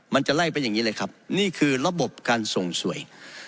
มันจะไล่เป็นอย่างนี้เลยครับนี่คือระบบการส่งสวย